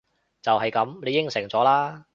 就係噉！你應承咗喇！